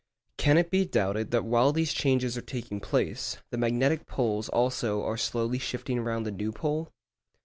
Can it be doubted that while these changes are taking place, the magnetic poles also are slowly shifting round the true pole?